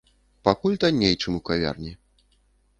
Пакуль танней, чым у кавярні.